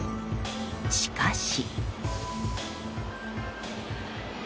しかし。